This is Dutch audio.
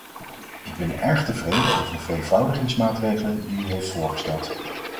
Ik ben erg tevreden over de vereenvoudigingsmaatregelen die u heeft voorgesteld.